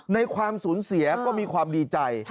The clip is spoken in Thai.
ความสูญเสียก็มีความดีใจ